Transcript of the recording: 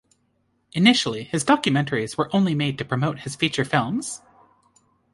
Initially, his documentaries were only made to promote his feature films.